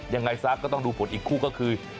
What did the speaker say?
ยังไงซะก็ต้องดูผลอีกคู่ก็คือ